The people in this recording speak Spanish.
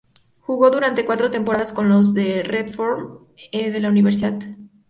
Jugó durante cuatro temporadas con los los "Red Storm" de la Universidad St.